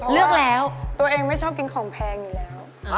เพราะว่าตัวเองไม่ชอบกินของแพงอยู่แล้ว